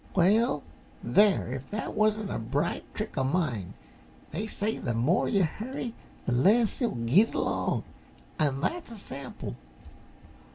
"Well, there, if that wasn't a bright trick uh mine? They say the more yuh hurry the less yuh'll git along, an' that's a sample.